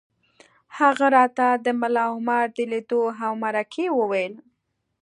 هغه راته د ملا عمر د لیدو او مرکې وویل